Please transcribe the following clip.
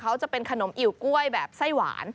เขาจะเป็นขนมอิ๋วกล้วยแบบไส้หวาน